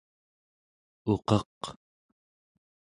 uqeq